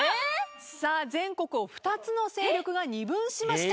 全国を２つの勢力が二分しました。